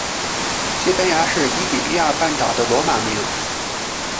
西班牙是伊比利亚半岛的罗马名。